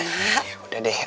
ya udah deh